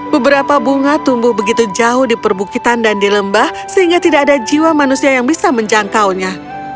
beberapa bunga tumbuh begitu jauh di perbukitan dan di lembah sehingga tidak ada jiwa manusia yang bisa menjangkaunya